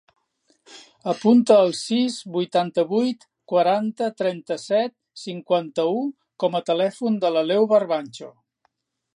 Apunta el sis, vuitanta-vuit, quaranta, trenta-set, cinquanta-u com a telèfon de l'Aleu Barbancho.